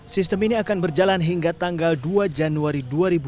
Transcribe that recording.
sistem ini akan berjalan hingga tanggal dua januari dua ribu dua puluh